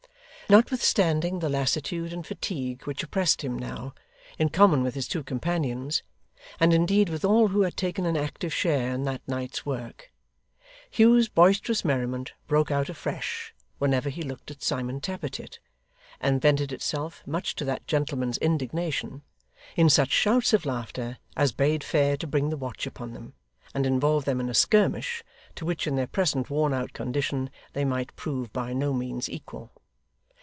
Notwithstanding the lassitude and fatigue which oppressed him now, in common with his two companions, and indeed with all who had taken an active share in that night's work, Hugh's boisterous merriment broke out afresh whenever he looked at Simon Tappertit, and vented itself much to that gentleman's indignation in such shouts of laughter as bade fair to bring the watch upon them, and involve them in a skirmish, to which in their present worn out condition they might prove by no means equal.